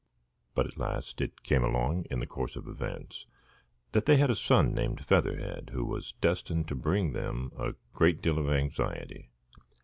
But at last it came along, in the course of events, that they had a son named Featherhead, who was destined to bring them a great deal of anxiety.